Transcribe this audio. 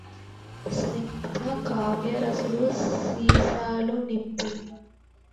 స్నిగ్ధ కావ్యరసము సీసాలలో నింపి